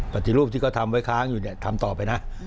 ปฏิรูปที่เขาทำไว้ค้างทำต่อไปนะ